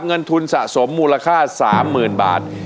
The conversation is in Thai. เงินทุนสะสมมูลค่า๓๐๐๐บาท